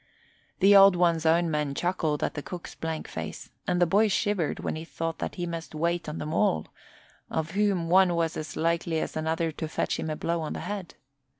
The Old One's own men chuckled at the cook's blank face and the boy shivered when he thought that he must wait on them all, of whom one was as likely as another to fetch him a blow on the head.